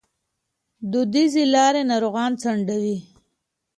دودیزې لارې ناروغان ځنډوي.